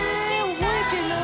覚えてない。